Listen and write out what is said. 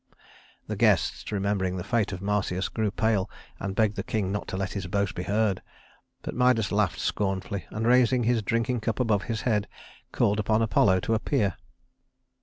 The guests, remembering the fate of Marsyas, grew pale and begged the king not to let his boast be heard; but Midas laughed scornfully and, raising his drinking cup above his head, called upon Apollo to appear.